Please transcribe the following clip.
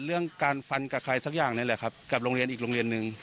เรื่องการฟันกับใครสักอย่างนี่แหละครับกับโรงเรียนอีกโรงเรียนนึง